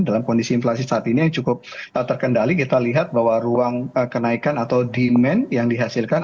dalam kondisi inflasi saat ini yang cukup terkendali kita lihat bahwa ruang kenaikan atau demand yang dihasilkan